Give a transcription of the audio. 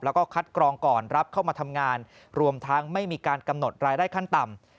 แล้วก็คัดกรองก่อนรับเข้ามาทำงานรวมทั้งไม่มีการกำหนดรายได้ขั้นต่ำ